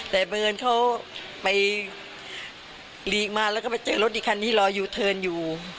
แต่บังเอิญเขาไปหลีกมาแล้วก็ไปเจอรถอีกคันนี้รอยูเทิร์นอยู่